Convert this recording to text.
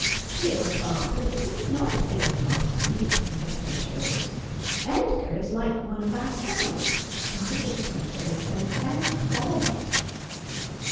' Dear father, it need not be a party because of the TurchiUs. Edgar is like one of ourselves, and Mrs. Turchill is so very quiet.'